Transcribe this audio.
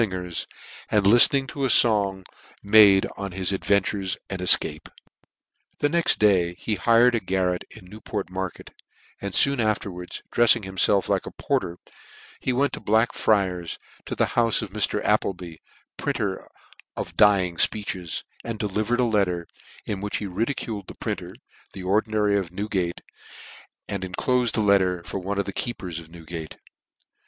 405 fingers, and liftening to a fong made on hi$ ad ventures and efcape. On the next day he hired a garret jn Newport market, and foon afterwards, drefiing himfclf like a porter, he went to Black friars, to the heufe of Mr. Applebee, printer of the dying fpeeches, and delivered a letter, in which he ridiculed the printer, and the Ordinary of Newgate, and en clofed a letter for one of the keepers of Newgate.